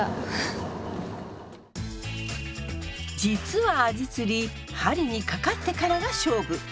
実はアジ釣り針にかかってからが勝負。